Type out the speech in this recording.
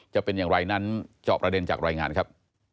จะเป็นอย่างไรนั้นจอบประเด็นจากรายงานครับ